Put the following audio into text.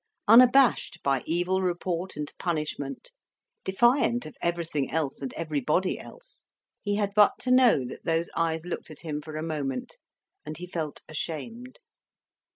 Unabashed by evil report and punishment, defiant of everything else and everybody else, he had but to know that those eyes looked at him for a moment, and he felt ashamed.